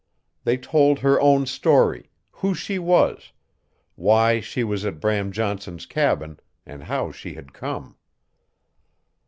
They told her own story who she was, why she was at Bram Johnson's cabin, and how she had come.